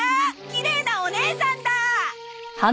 きれいなお姉さんだ！